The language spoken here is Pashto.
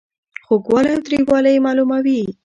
خوږوالی او تریووالی یې معلوموي.